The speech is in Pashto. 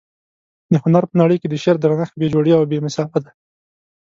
د هنر په نړۍ کي د شعر درنښت بې جوړې او بې مثاله دى.